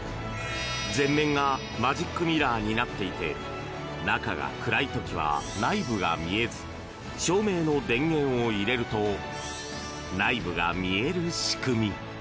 全面がマジックミラーになっていて中が暗い時は内部が見えず照明の電源を入れると内部が見える仕組み。